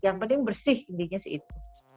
yang penting bersih intinya sih itu